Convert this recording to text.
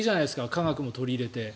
科学も取り入れて。